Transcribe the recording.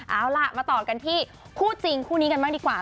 เอาล่ะมาต่อกันที่คู่จริงคู่นี้กันบ้างดีกว่า